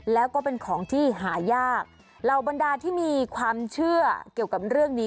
แล้วก็เป็นของที่หายากเหล่าบรรดาที่มีความเชื่อเกี่ยวกับเรื่องนี้